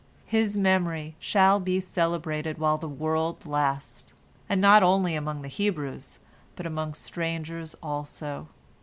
His memory shall be celebrated while the world lasts, and not only among the Hebrews, but among strangers also.